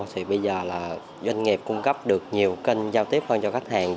thì bây giờ là doanh nghiệp cung cấp được nhiều kênh giao tiếp hơn cho khách hàng